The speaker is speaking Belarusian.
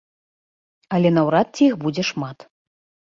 Але наўрад ці іх будзе шмат.